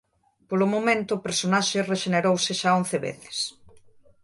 Polo momento o personaxe rexenerouse xa once veces.